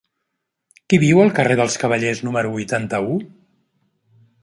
Qui viu al carrer dels Cavallers número vuitanta-u?